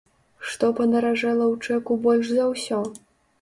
Што падаражэла ў чэку больш за ўсё?